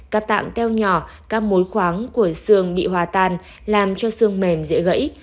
các tạng teo nhỏ các mối khoáng của xương bị hòa tan làm cho sương mềm dễ gãy